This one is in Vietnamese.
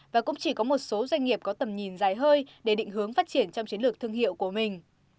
và cũng chỉ có một số doanh nghiệp có tầm nhìn dài hơi để định hướng phát triển trong chiến lược thương hiệu của mình